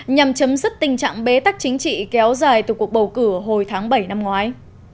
nhằm chấm dứt tình trạng bế tắc chính trị kéo dài từ cuộc bầu cử hồi tháng bảy năm ngoái